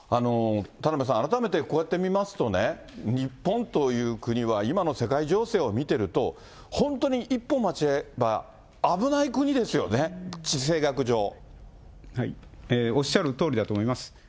田邉さん、改めてこうやって見ますとね、日本という国は今の世界情勢を見てみると、本当に一歩間違えれば危ない国ですよね、おっしゃるとおりだと思います。